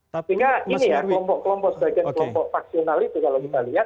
sehingga ini ya kelompok kelompok sebagian kelompok paksional itu kalau kita lihat